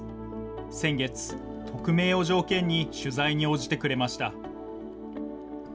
先月、匿名を条件に取材に応じてくれました。